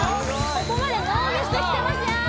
ここまでノーミスできてますよ